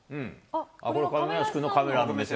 これ、亀梨君のカメラの目線